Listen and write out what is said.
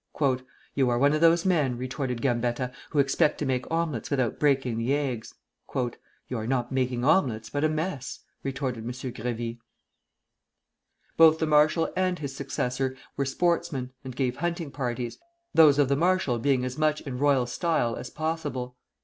"You are one of those men," retorted Gambetta, "who expect to make omelettes without breaking the eggs." "You are not making omelettes, but a mess," retorted M. Grévy. Both the marshal and his successor were sportsmen and gave hunting parties, those of the marshal being as much in royal style as possible.